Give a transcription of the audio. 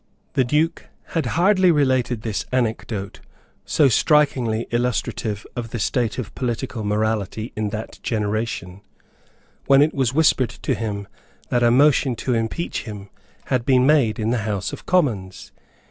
The Duke had hardly related this anecdote, so strikingly illustrative of the state of political morality in that generation, when it was whispered to him that a motion to impeach him had been made in the House of Commons.